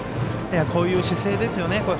こういう姿勢ですよね。